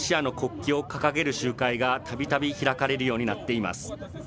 マリではロシアの国旗を掲げる集会がたびたび開かれるようになっています。